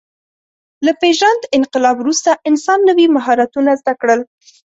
له پېژاند انقلاب وروسته انسان نوي مهارتونه زده کړل.